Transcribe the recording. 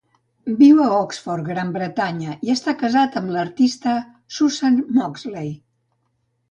Viu a Oxford, Gran Bretanya, i està casat amb l"artista Susan Moxley.